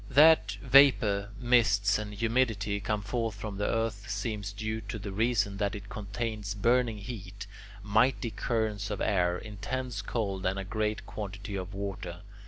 That vapour, mists, and humidity come forth from the earth, seems due to the reason that it contains burning heat, mighty currents of air, intense cold, and a great quantity of water.